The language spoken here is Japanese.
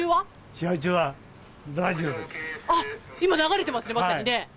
試合中は、今、流れてますね、まさにね。